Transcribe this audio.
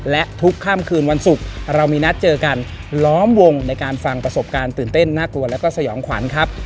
และทุกค่ำคืนวันศุกร์เรามีนัดเจอกันล้อมวงในการฟังประสบการณ์ตื่นเต้นน่ากลัวแล้วก็สยองขวัญครับ